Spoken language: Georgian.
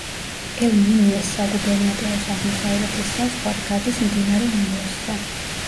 ელ-მინიას საგუბერნატოროს აღმოსავლეთის საზღვარი გადის მდინარე ნილოსზე.